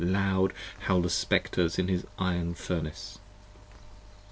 Loud howl the Spectres in his iron Furnace.